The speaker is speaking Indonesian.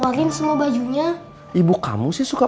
gak usah gak usah